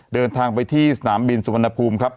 เดินทางไปที่สนามบินสุวรรณภูมิครับ